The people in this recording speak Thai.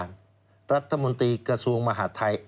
รัฐมนตรีกระทรวงมหาดไทย